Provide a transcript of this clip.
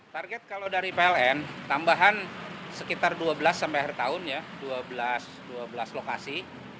target kalau dari pln tambahan sekitar dua belas sampai akhir tahun ya dua belas lokasi